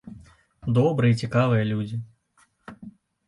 Добрыя і цікавыя людзі.